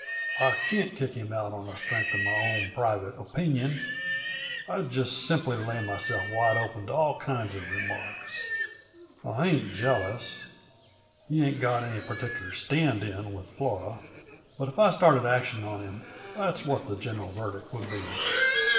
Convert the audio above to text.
"I can't kick him out on the strength uh my own private opinion. I'd just simply lay myself wide open to all kinds uh remarks. I ain't jealous; he ain't got any particular stand in with Flora but if I started action on him, that's what the general verdict would be.